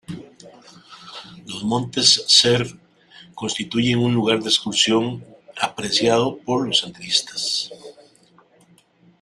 Los montes Cer constituyen un lugar de excursión apreciado por los senderistas.